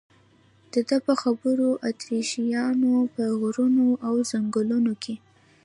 د ده په خبره اتریشیانو په غرونو او ځنګلونو کې.